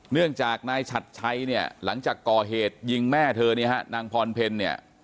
เนื่องจากนายฉัดชัยเนี่ยหลังจากก่อเหตุยิงแม่เธอเนี่ยฮะนางพรเพลเนี่ย